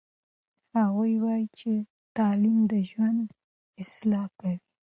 هغوی وایي چې تعلیم د ژوند اصلاح کوي.